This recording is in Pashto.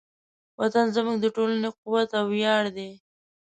وطن زموږ د ټولنې قوت او ویاړ دی.